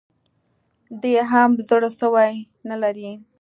دی هم زړه سوی نه لري